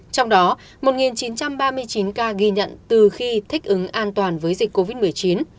trong đó một chín trăm ba mươi chín ca ghi nhận từ khi thích ứng an toàn với dịch covid một mươi chín